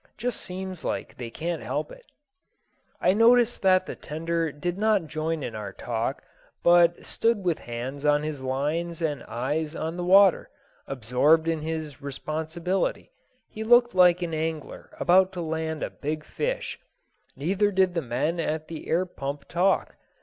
Just seems like they can't help it." I noticed that the tender did not join in our talk, but stood with hands on his lines and eyes on the water, absorbed in his responsibility; he looked like an angler about to land a big fish. Neither did the men at the air pump talk.